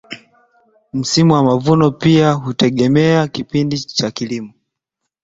msimu wa mavuno pia hutegemea kipindi cha kilimo